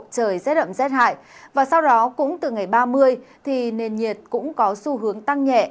trời rét ẩm rét hại và sau đó cũng từ ngày ba mươi thì nền nhiệt cũng có xu hướng tăng nhẹ